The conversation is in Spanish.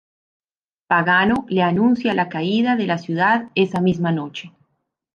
Pagano le anuncia la caída de la ciudad esa misma noche.